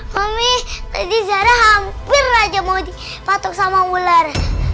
mami tadi zara hampir aja mau dipatok sama ular